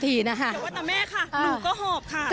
เดี๋ยวว่าแต่แม่ค่ะหนูก็ขอบค่ะ